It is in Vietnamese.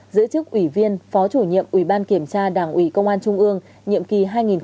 giữ chức ủy viên phó chủ nhiệm ủy ban kiểm tra đảng ủy công an trung ương nhiệm kỳ hai nghìn hai mươi hai nghìn hai mươi